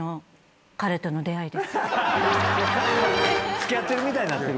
付き合ってるみたいになってる。